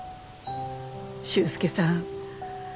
修介さん